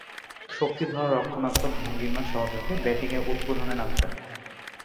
শক্তিধর রক্ষণাত্মক ভঙ্গিমা সহযোগে ব্যাটিংয়ে উদ্বোধনে নামতেন।